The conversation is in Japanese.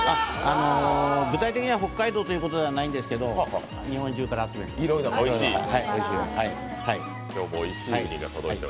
具体的には北海道というわけではないんですけど、日本中から集めて、おいしいのを。